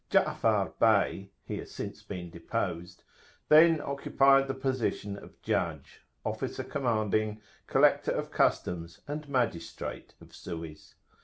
Ja'afar Bey, he has since been deposed, then occupied the position of judge, officer commanding, collector of customs, and magistrate of Suez.